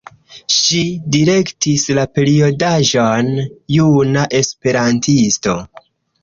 Ŝi direktis la periodaĵon „Juna Esperantisto“.